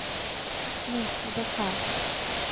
নে, এটা খা।